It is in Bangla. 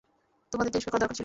তোমাদের তিরস্কার করা দরকার ছিল।